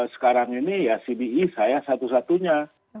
sekarang ini ya cbe saya satu satunya